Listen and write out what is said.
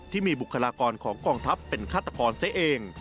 บุคลากรของกองทัพเป็นฆาตกรซะเอง